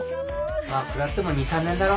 まあ食らっても２３年だろ。